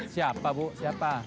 siapa bu siapa